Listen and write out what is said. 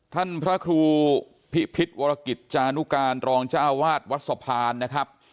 พระครูพิพิษวรกิจจานุการรองเจ้าวาดวัดสะพานนะครับ